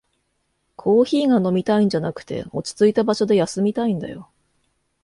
コーヒーが飲みたいんじゃなくて、落ちついた場所で休みたいんだよ